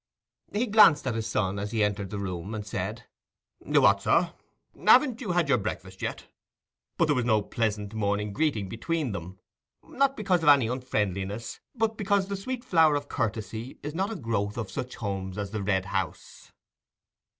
He glanced at his son as he entered the room, and said, "What, sir! haven't you had your breakfast yet?" but there was no pleasant morning greeting between them; not because of any unfriendliness, but because the sweet flower of courtesy is not a growth of such homes as the Red House.